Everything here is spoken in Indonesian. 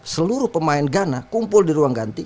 seluruh pemain ghana kumpul di ruang ganti